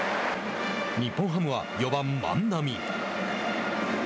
日本ハムは４番万波。